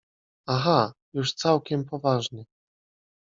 — Aha—już całkiem poważnie.